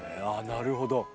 なるほど。